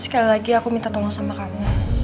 sekali lagi aku minta tolong sama kami